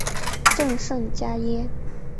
朕甚嘉焉。